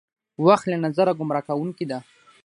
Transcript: وخت له نظره ګمراه کوونکې ده.